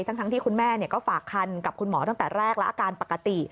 ทั้งที่คุณแม่ก็ฝากคันกับคุณหมอตั้งแต่แรกและอาการปกติ